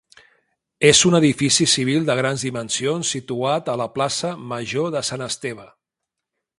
És un edifici civil de grans dimensions situat a la plaça Major de Sant Esteve.